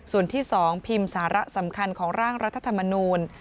ส่วนที่๒พิมพ์สาระสำคัญของร่างรัฐธรรมนูล